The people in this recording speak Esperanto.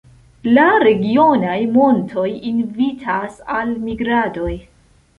La regionaj montoj invitas al migradoj.